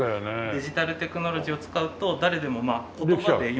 デジタルテクノロジーを使うと誰でも言葉で今。できちゃう？